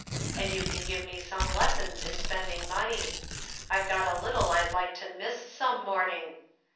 And you can give me some lessons in spending money. I've got a little I'd like to miss some morning.